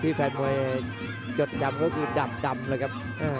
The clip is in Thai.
พี่แฟนมวยจดจำโฮดูดับดำเลยครับ